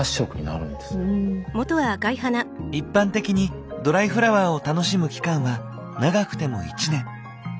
一般的にドライフラワーを楽しむ期間は長くても１年。